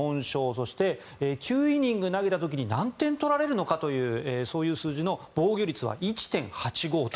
そして９イニング投げた時に何点取られるのかという数字の防御率は１．８５と。